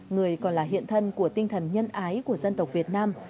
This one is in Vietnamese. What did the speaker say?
người còn là hiện thân của tinh thần nhân ái của dân tộc việt nam